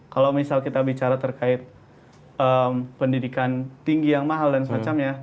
kalau misal kita bicara terkait pendidikan tinggi yang mahal dan semacamnya